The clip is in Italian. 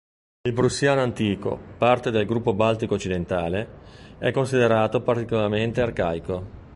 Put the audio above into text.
Il prussiano antico, parte del gruppo baltico occidentale, è considerato particolarmente arcaico.